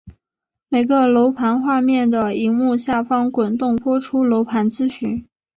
每个楼盘画面的萤幕下方滚动播出楼盘资讯。